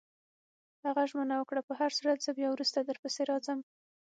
هغه ژمنه وکړه: په هرصورت، زه بیا وروسته درپسې راځم.